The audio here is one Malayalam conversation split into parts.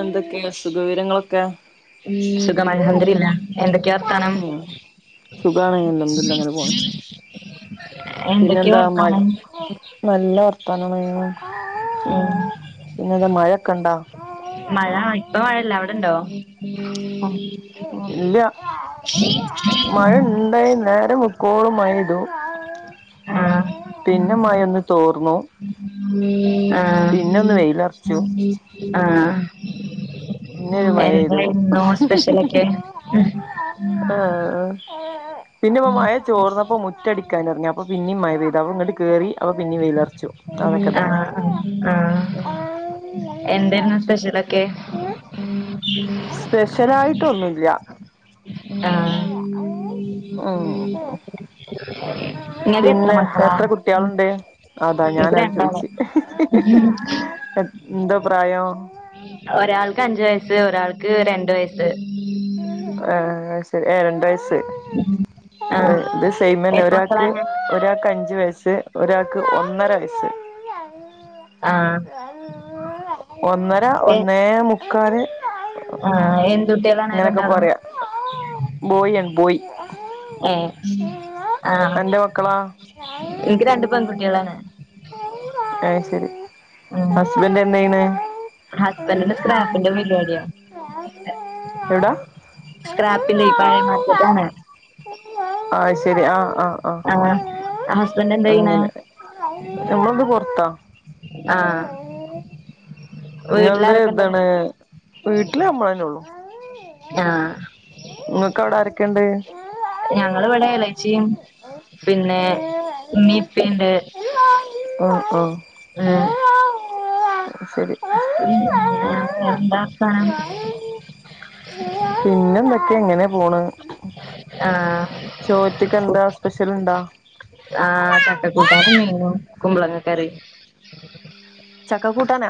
എന്തൊക്കെ സുഖവിവരങ്ങളൊക്കെ സുഖം അൽ ഹംദുരില്ല എന്തൊക്കെ വർത്താനം ഉം സുഖാണ് അൽഹംദുലില്ലാഹ് അങ്ങനെ പോണ് എന്തൊക്കെ പിന്നെന്താ മഴ വർത്താനം നല്ല വർത്താനണ് ആഹ് പിന്നെന്താ മഴക്കെണ്ടാ മഴ ഇപ്പ മഴല്ല അവിടെണ്ടോ ഉം ഇല്ല മഴഇണ്ടായി നേരെ വെ കോള മയായ്തു ആഹ് പിന്നെ മയൊന്ന് തോർന്നു ആഹ് പിന്നൊന്ന് വെയിലറച്ചു ആഹ് പിന്നൊരു മഴെയ്തു എന്തായിരുന്നു സ്പെഷ്യലൊക്കെ ആഹ് ആഹ് പിന്നെ ഇപ്പ മഴ ചോർന്നപ്പോ മുറ്റടിക്കാനറങ്ങി അപ്പൊ പിന്നെ മഴ പെയ്ത് അപ്പ ഇങ്ട്ട് കേറി അപ്പൊ പിന്നെ വെ യ് ലർച്ചു അതൊക്കെ തന്നെ എന്തരുന്നു സ്പെഷ്യലൊക്കെ സ്പെഷ്യലായിട്ടൊന്നുല്ല ആഹ് ഉം ഉം ഇങ്ങക്ക് എത്ര പിന്നെ മക്കളാ എത്ര കുട്യളുണ്ട് അതാ എനിക്ക് ഞാനഹ് രണ്ടാള് ചോദിച് എന്താ പ്രായം ഒരാൾക്ക് അഞ്ചു വയസ്സ് ഒരാൾക്ക് രണ്ട് വയസ്സ് ആഹ് ശരി ഏഹ് രണ്ട് വയസ് സ് ആഹ് ഇത് സെമ് ന്നെ എത്ര ഒരാൾക്ക് മക്കളാണ് ഒരാൾക്ക് അഞ്ചു വയസ്സ് ഒരാൾക്ക് ഒന്നര വയസ്സ് ആഹ് ഒന്നര ഏഹ് ഒന്നേ മു ക്കാൽ ആഹ് എന്തുട്ടികളാണ് ഇങ്ങനെയൊക്കെ രണ്ടാളും പറയാ ബോയി ആണ് ബോയ് ഏ ആ അന്റെ മക്കളാ ഇനിക്ക് രണ്ട് പെൺകുട്ടികളാണ് എ ശരി ഹസ്ബന്റ് ന്തായ്യണ് ഹസ്ബന്റിനു സ്ക്രാപ്പിന്റെ പരിപാടിയാണ് എവിടാ സ്ക്രാപ്പിന്റെ പഴയ മാർക്കറ്റാണ് ആഹ് ശരി ആഹ് ആഹ് ആഹ് ഹസ്ബൻഡ് എന്താ ചെയ്യണെ അങ്ങനെ ഞമ്മള് ന്ന് പൊറത്താ ആഹ് ങ്ങൾ ത് വീട്ടിലാരൊക്കെ ഉണ്ട് എന്താണ് വീട്ടില് മ്മളന്നെ ഉള്ളു ആഹ് ങ്ങക്ക് അവിടെ ആരോക്കെയുണ്ട് ഞങ്ങളിവിടെ എളച്ചിയും പിന്നെ ഉമ്മീംപ്പിണ്ട് ഓഹ് ഓ ഹ് ഏ ഹ് ശരി [inaudible] പിന്നെ എന്തൊക്കെയ ങ്ങനെ പോണ് ആഹ് ചോറ്റ്ക്ക് ന്താ സ്പെഷ്യൽ ണ്ടാ ആഹ് ചക്കക്കൂട്ടാനും മീനും കുമ്പളങ്ങ കറിയും ചക്ക കൂട്ടാനോ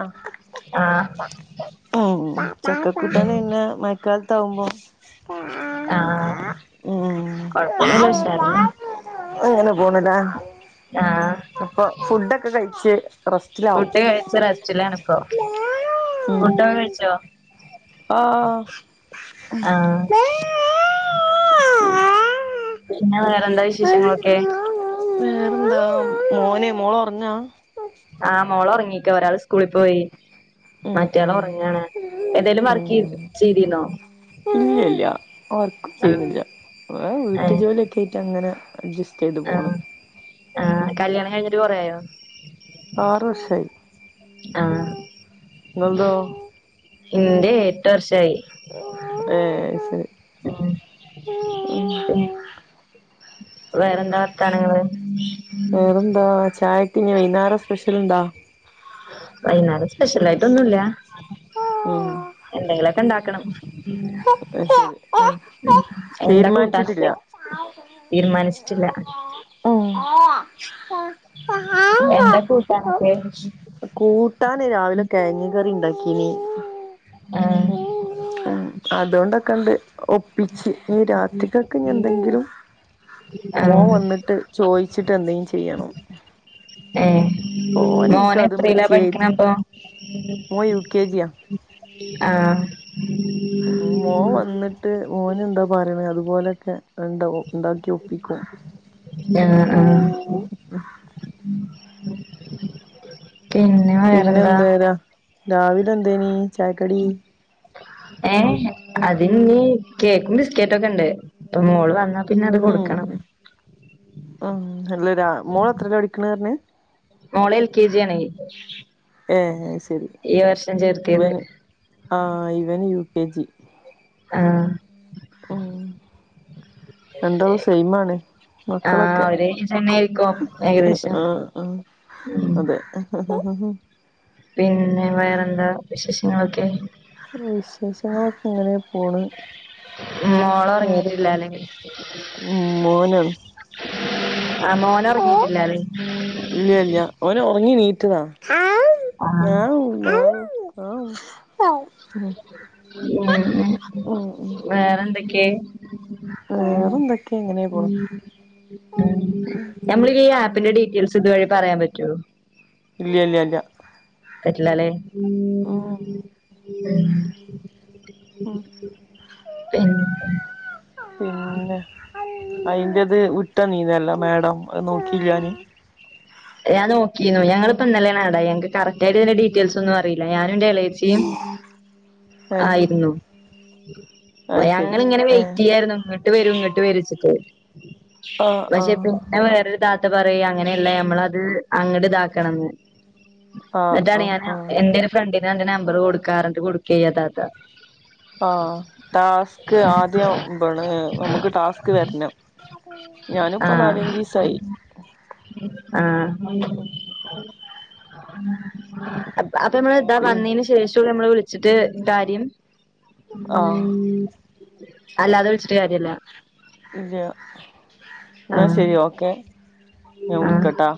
ആഹ് ഉം ഉം ചക്കകൂട്ടാന് ന്നെ മഴക്കാലത്ത് ആവുമ്പോ ആഹ് ഉം കൊഴപ്പൊന്നുല്ല ഉഷാറാന്നെ ആണ് അങ്ങനെ പോണ് ലേ ആഹ് അപ്പൊ ഫുഡൊക്കെ കഴിച്ച് റെസ്റ്റിലാവും ഫുഡ് കഴിച്ച റസ്റ്റിലണ്പ്പോ ഉം ഫുഡ്യൊക്കെ കഴിച്ചോ ആഹ് ആഹ് പിന്നെ വേറെ എന്താ വിശേഷങ്ങളൊക്കെ വേറെന്താ മോനെ മോള ഒറങ്ങ ആഹ് മോള ഒറങ്ങീക്ക ഒരാൾ സ്കൂളിൽ പോയി ഉം മറ്റയാള് ഉം ഉറങ്ങണ് ഏന്തേലും വർക്ക് ചെയ ചെയ്തിന്നോ ഇല്ല ഇല്ല വർക്കൊന്നും ആഹ് ചെയ്യുന്നില്ല ഇവിടെ വീട്ടു ഏഹ് ജോലിയൊക്കെ ആയിട്ട് ഇങ്ങനെ അഡ്ജസ്റ്റ് പോണ് ആഹ് ആഹ് കല്യാണം കഴിഞ്ഞിട്ട് കൊറ ആയോ ആറു വർഷായി ആഹ് ഇങ്ങൾതോ ഇന്റെ എട്ട് വർഷായി ഏഹ് അയ്‌ ശരി ഉം വേറെ എന്താ വാർത്താനങ്ങള് വേറെന്താ ചായയ്ക്ക് വൈന്നേരം സ്പെഷ്യല് എന്താ വൈന്നേരം സ്പെഷ്യലായിട്ടൊന്നും ഇല്ല ഉം എന്തെങ്കിലും ഒക്കെ ഉണ്ടാക്കണം. അത് ശരി ഉം എന്താ തീരുമാനിച്ചിട്ടില്ല കൂട്ടാനൊക്കെ? തീരുമാനിച്ചിട്ടില്ല. ഉം എന്ത കൂട്ടാനൊക്കെ. കൂട്ടാന് രാവിലെ കിഴങ് കറി ഉണ്ടാക്കീനീ ആഹ് ഉം അതുകൊണ്ടൊക്കെണ്ട് ഒ ഒപ്പിച്ച് ഇഞ്ഞി രാത്രികക്ക് എന്തെങ്കിലും മോൻ ആഹ് വന്നിട്ട്. ചോയിച്ചിട്ട് എന്തെലും ചെയ്യണം. ഏഹ് ഓന് മോന് ഇൻക്കത് എത്രലാ ഇമ്മച്ചിയെ ഇത് പഠിക്ക്ണതപ്പൊ. മോൻ യു കെ ജിയാ ആഹ്. മോൻ വന്നിട്ട് മോന് എന്താ പറയണേ അതുപോലെയൊക്കെ അണ്ട് ഉണ്ടാക്കും. ആഹ് ആഹ്. പിന്നെ. പിന്നെ വേറെന്താ എന്താ രാവില എന്തേനി ചായക്കടി. ഏഹ് അതിലഞ്ഞി കേക്കും ബിസ്കറ്റൊക്കെ ഉണ്ട് ഇപ്പൊ മോള് വന്ന. പിന്നെ അത് കൊടുക്കണം. ഉം ഉം അല്ല രാ മോള് എത്രയിലാ പഠിക്ക് ണേ പറഞ്ഞേ മോള് എൽ കെ ജി ആണ് ഏഹ് അത് ശരി ഈ വർഷം ചേർത്തിയത്. ആ ഇവൻ യു കെ ജി. ആഹ് ഉം രണ്ടാളും സെയ്മാണ്. ആ ഒരേയ്ജ് തന്നെയായിരിക്കും ഏകദേശം. ആഹ് ആഹ് ഉം അതെ. പിന്നെ വേറെന്താ വിശേഷങ്ങളൊക്കെ. വിശേഷങ്ങളക്കെ ഇങ്ങനെ പോണ്. മോള് നേരം ഉറങ്ങിട്ടില്ലാല്ലേ ഉം മേനാണ് ആ മോനൊറങ്ങിട്ടില്ലല്ലേ. ഇല്ല ഇല്ല ഓന് ഒറങ്ങി നീറ്റതാ ആഹ് ഉം ഉം ഉം ഉം വേറെ എന്തൊക്കെ? വേറന്തൊക്കെ ഇങ്ങനെ പോണു. ഞമ്മളി ഈ ആപ്പിന്റെ ഡീറ്റെയിൽസ് ഇതുവഴി പറയാൻ പറ്റോ. ഇല്ല ഇല്ല ഇല്ല. പറ്റില്ലാല്ലേ. ഉം ഉം. പിന്നെ പിന്നെ അയിന്റത് വിട്ടനീനല്ല മാഡം അത് നോക്കിലാനി. ഞാ നോക്കിന്നു. ഞങ്ങളിപ്പോ ഇന്നെലെയാണ് ആഡായത്. കറക്ടായിട്ട് ഇതിന്റെ ഡീറ്റയിൽസ് ഒന്നും അറിയില്ല. ഞാനും എന്റെ എളേ ച്ചീം ഏഹ് ആയിരുന്നു. അത് ശരി ഞങ്ങള്ങ്ങനെ വെയിറ്റ് ഏഹ് ചെയ്യായിരുന്നു ഇങ്ങട്ട് വരും ഇങ്ങട്ട് വരിച്ചിട്ട്. പക്ഷെ ആഹ് പിന്നെ വേറൊരു താത്ത പറയ അങ്ങനെയല്ല നമ്മളത് അങ്ങട് ഇതാക്കണംന്ന്. ആഹ് എന്നിട്ടാണ് ആഹ് ഞാൻ ആഹ് എന്റെ ഒരു ഫ്രണ്ടിന് എന്റെ നമ്പർ ആഹ് കൊടുക്കാറ്ണ്ട് കൊടുക്കേയി ആ താത്ത. ആഹ് ടാസ്ക് ആദ്യം എന്താണ് നമുക്ക് ടാസ്ക് വരണം. ഞാനുപ്പ നാലഞ്ചിസായി. ആഹ്. അപ്പൊ നമ്മള് ഇതാ പി വന്നതിന് ശേഷം നമ്മള് വിളിച്ചിട്ട് കാര്യം. ഉം ആഹ് അല്ലാതെ വിളിച്ചിട്ട് കാര്യല്ല. ല്ല്യാ ന്നാ ആഹ് ശെരി ഓക്കെ, ഞാ ആഹ് വിളിക്കാട്ടാ.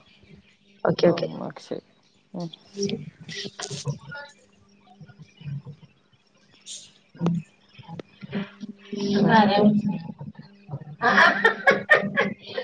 ഓക്കെ ആഹ് ഓക്കേ ശെരി ഉം. [inaudible] [inaudible] [inaudible]